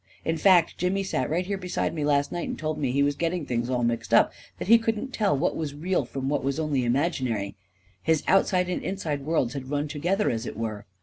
In fact, Jimmy sat right here beside me last night and told me he was getting things all mixed up f— that he couldn't tell what was real from what was only imaginary; his outside and inside worlds had run together, as it were